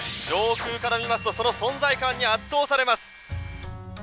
上空から見ますとその存在感に圧倒されます。